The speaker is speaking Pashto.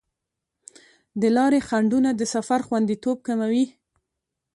د لارې خنډونه د سفر خوندیتوب کموي.